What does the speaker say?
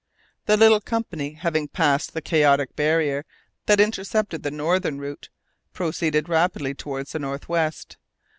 The little company, having passed the chaotic barrier that intercepted the northern route, proceeded rapidly towards the north west.